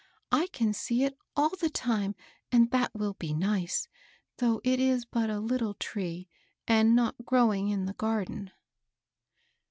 I can see it all the time, and that will be nic^, though it is but a little tree and not growing in the garden."